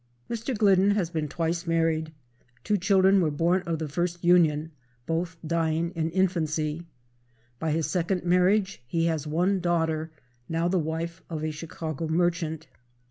Mr. Glidden has been twice married. Two children were born of the first union, both dying in infancy. By his second marriage he has one daughter, now the wife of a Chicago merchant. JOSEPH FARWELL GLIDDEN.